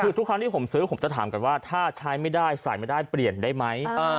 คือทุกครั้งที่ผมซื้อผมจะถามก่อนว่าถ้าใช้ไม่ได้ใส่ไม่ได้เปลี่ยนได้ไหม